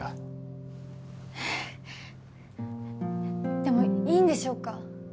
でもいいんでしょうか？